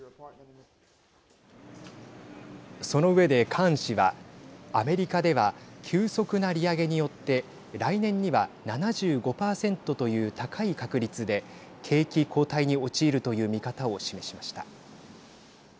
その上でカーン氏はアメリカでは急速な利上げによって来年には７５％という高い確率で景気後退に陥るという見方を示しました。